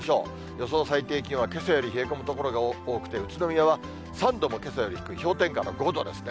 予想最低気温は、けさより冷え込む所が多くて、宇都宮は３度もけさより低い、氷点下の５度ですね。